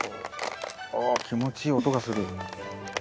ああ気持ちいい音がする。